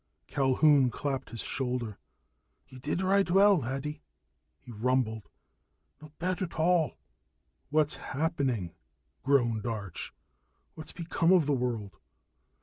Culquhoun clapped his shoulder. "Ye did richt well, laddie," he rumbled. "No bad at all." "What's happening?" groaned Arch. "What's become of the world?"